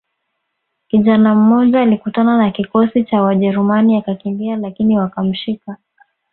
Kijana mmoja alikutana na kikosi cha wajerumani akakimbia lakini wakamshika